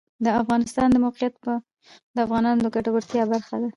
د افغانستان د موقعیت د افغانانو د ګټورتیا برخه ده.